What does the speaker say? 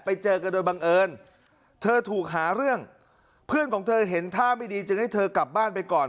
ไปเจอกันโดยบังเอิญเธอถูกหาเรื่องเพื่อนของเธอเห็นท่าไม่ดีจึงให้เธอกลับบ้านไปก่อน